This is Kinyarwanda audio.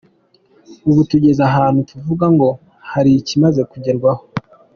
Ubu tugeze ahantu tuvuga ngo hari ikimaze kugerwaho.